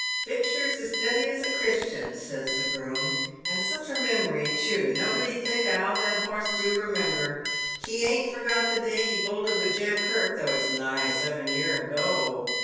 " Fixture's as steady as a Christian," says the groom, " and Buch a memory too, nobody 'd think how that 'oss do remember. He ain't forgot the day he bolted with Jem Kirk, tho' it's nigh seven year ago.